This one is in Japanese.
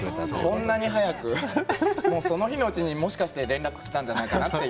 こんなに早くその日のうちに連絡がきたんじゃないかなって。